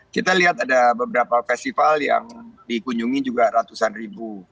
kita lihat ada beberapa festival yang dikunjungi juga ratusan ribu